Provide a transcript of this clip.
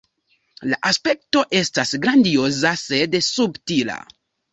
La aspekto estas grandioza sed subtila.